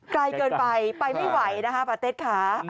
ไกลเกินไปไปไม่ไหวนะคะปาเต็ดค่ะ